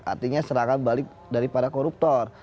artinya serangan balik dari para koruptor